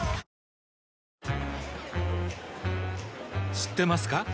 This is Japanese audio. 知ってますか？